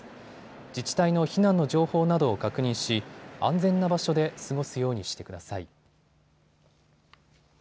自治体の避難の情報などを確認し安全な場所で過ごすようにしてください。